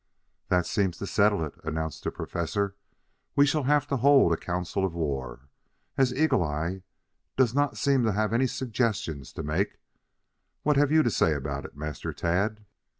"That seems to settle it," announced the Professor. "We shall have to hold a council of war, as Eagle eye does not seem to have any suggestions to make. What have you to say about it, Master Tad?"